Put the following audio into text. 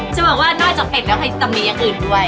จะบอกว่านอกจากเป็ดแล้วใครจะมีอย่างอื่นด้วย